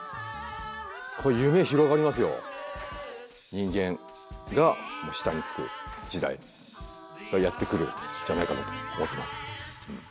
人間がもう下につく時代がやって来るんじゃないかなと思っています。